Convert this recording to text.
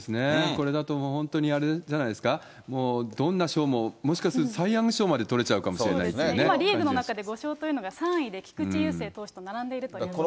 これだともう本当に、あれじゃないですか、もうどんな賞ももしかするとサイ・ヤング賞まで取れちゃうかもし今、リーグの中で５勝というのが３位で菊池雄星投手と並んでいるということですね。